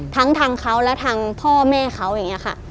ทั้งทางเขาและทางพ่อแม่เขาอย่างนี้ค่ะ